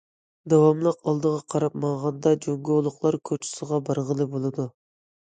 داۋاملىق ئالدىغا قاراپ ماڭغاندا جۇڭگولۇقلار كوچىسىغا بارغىلى بولىدۇ.